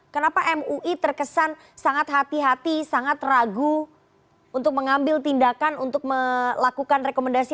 kenapa mui terkesan sangat hati hati sangat ragu untuk mengambil tindakan untuk melakukan rekomendasi